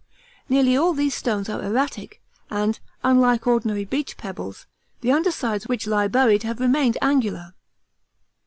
Nearly all these stones are erratic and, unlike ordinary beach pebbles, the under sides which lie buried have remained angular.